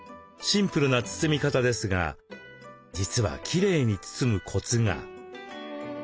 シンプルな包み方ですが実はきれいに包むコツが。